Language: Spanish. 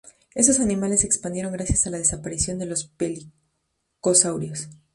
Estos animales se expandieron gracias a la desaparición de los pelicosaurios.